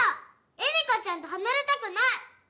恵里佳ちゃんと離れたくない！